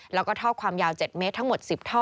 แล้วก็ท่อความยาว๗เมตรทั้งหมด๑๐ท่อ